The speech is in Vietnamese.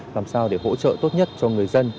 làm sao để hỗ trợ tốt nhất cho người dân